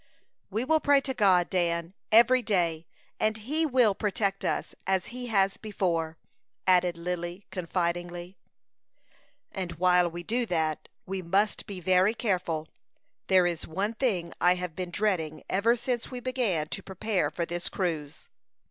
"We will pray to God, Dan, every day, and He will protect us, as He has before," added Lily, confidingly. "And while we do that, we must be very careful. There is one thing I have been dreading ever since we began to prepare for this cruise."